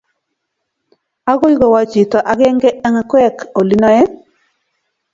Agoi kowa chito agenge eng akwek olinoe?